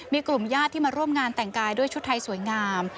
มีกลุ่มญาติที่มาร่วมงานแต่งกายด้วยชุดไทยสวยงาม